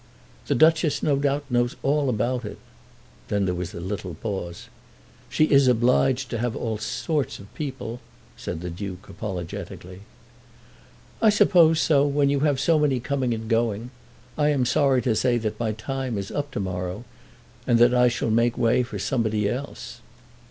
"The Duchess, no doubt, knows all about it." Then there was a little pause. "She is obliged to have all sorts of people," said the Duke apologetically. "I suppose so, when you have so many coming and going. I am sorry to say that my time is up to morrow, so that I shall make way for somebody else."